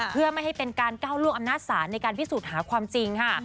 เพื่อไม่ให้เป็นการก้าวล่วงอำนาจศาลในการพิสูจน์หาความจริงค่ะ